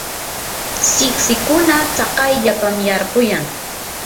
siksikuna tsakayllapam yarquyan.